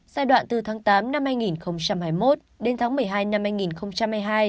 giai đoạn từ tháng tám năm hai nghìn hai mươi một đến tháng một mươi hai năm hai nghìn hai mươi hai